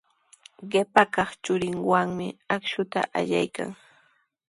Qipa kaq churinwanmi akshuta allaykan.